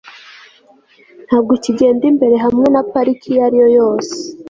ntabwo ukigenda imbere hamwe na parike iyo ari yo yose